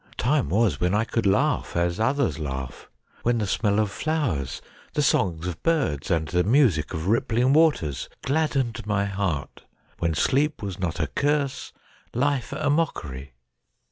Time was when I could laugh as others laugh ; when the smell of flowers, the songs of birds, and the music of rippling waters gladdened my heart ; when sleep was not a curse — life a mockery.